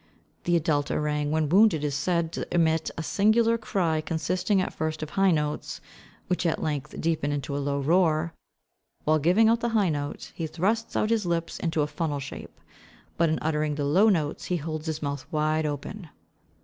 The adult orang when wounded is said to emit "a singular cry, consisting at first of high notes, which at length deepen into a low roar. While giving out the high notes he thrusts out his lips into a funnel shape, but in uttering the low notes he holds his mouth wide open."